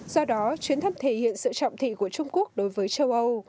do đó chuyến thăm thể hiện sự trọng thị của trung quốc đối với châu âu